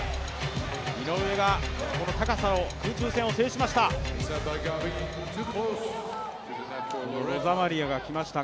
井上が高さを、空中戦を制しました